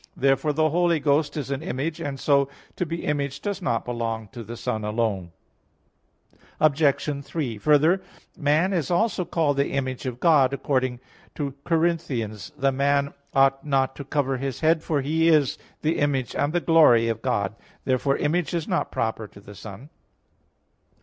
Therefore the Holy Ghost is an Image; and so to be Image does not belong to the Son alone. Obj. 3: Further, man is also called the image of God, according to 1 Cor. 11:7, "The man ought not to cover his head, for he is the image and the glory of God." Therefore Image is not proper to the Son.